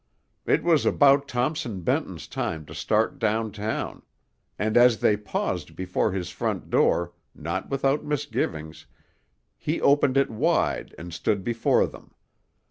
It was about Thompson Benton's time to start down town, and as they paused before his front door, not without misgivings, he opened it wide and stood before them.